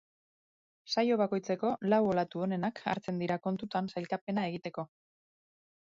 Saio bakoitzeko lau olatu onenak hartzen dira kontutan sailkapena egiteko.